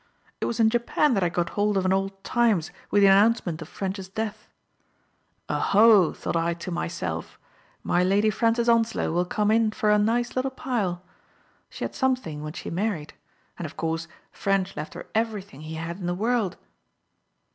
It was in Japan that I got hold of an old Times Digitized by Google FRANCES ELEANOR TROLLOPE. 33 with the announcement of Ffrench's death. Oho! thought I to myself. My Lady Francis Onslow will come in for a nice little pile. She had something when she married. And, of course, Ffrench left her everything he had in the world.